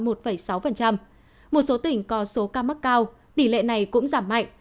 một số tỉnh có số ca mắc cao tỷ lệ này cũng giảm mạnh